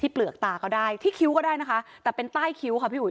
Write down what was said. เปลือกตาก็ได้ที่คิ้วก็ได้นะคะแต่เป็นใต้คิ้วค่ะพี่อุ๋